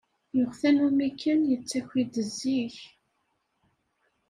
Yuɣ tanumi Ken yettaki-d zik.